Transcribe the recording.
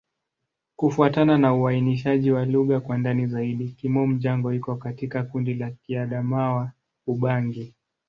Kufuatana na uainishaji wa lugha kwa ndani zaidi, Kimom-Jango iko katika kundi la Kiadamawa-Ubangi.